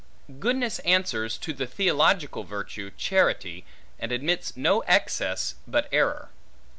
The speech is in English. Goodness answers to the theological virtue, charity, and admits no excess, but error.